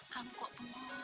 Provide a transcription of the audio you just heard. kamu kok bunga